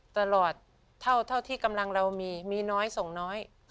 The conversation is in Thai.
ตลอดเท่าที่กำลังเรามีมีน้อยส่งน้อย